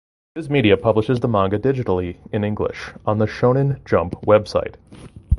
Viz Media publishes the manga digitally in English on its "Shonen Jump" website.